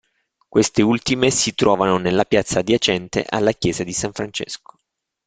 Queste ultime si trovano nella piazza adiacente alla chiesa di San Francesco.